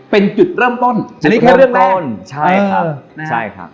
เป็นจุดเริ่มต้นอันนี้แค่เริ่มต้นใช่ครับใช่ครับ